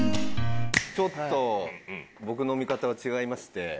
ちょっと僕の見方は違いまして。